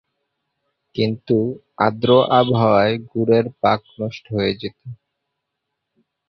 কিন্তু আর্দ্র আবহাওয়ায় গুড়ের পাক নষ্ট হয়ে যেত।